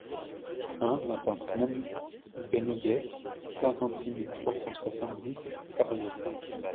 un impasse Men Beniguet, cinquante-six mille trois cent soixante-dix Sarzeau